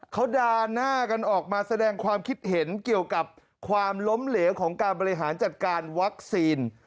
เขาด่าหน้ากันออกมาแสดงความคิดเห็นเกี่ยวกับความล้มเหลวของการบริหารจัดการวัคซีน